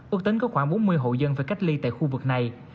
ước tính có khoảng bốn mươi hộ dân phải cách ly tại khu vực này